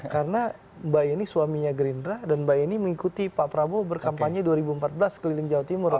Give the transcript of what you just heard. karena mbak yeni suaminya gerindra dan mbak yeni mengikuti pak prabowo berkampanye dua ribu empat belas keliling jawa timur